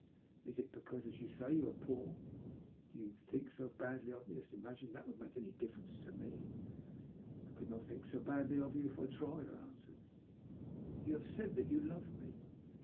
Is it because, as you Bfty» yovL are poor? Do you think so badly of me as to imagine that that could make any difference tome?" " I could not think so badly of you if I tried," I answered. "You have said that you love me?"